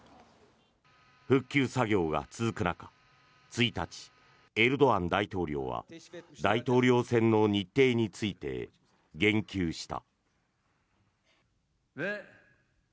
復旧作業が続く中１日、エルドアン大統領は大統領選の日程について言及した。